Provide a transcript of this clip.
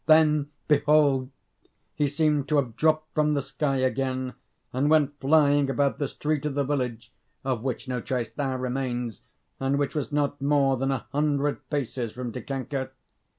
Then, behold, he seemed to have dropped from the sky again, and went flying about the street of the village, of which no trace now remains, and which was not more than a hundred paces from Dikanka.